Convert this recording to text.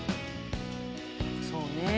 そうね。